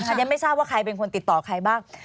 อันนี้ไม่ทราบว่าใครเป็นคนติดต่อใครบ้าง